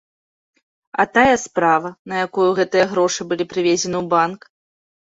А тая справа, на якую гэтыя грошы былі прывезены ў банк?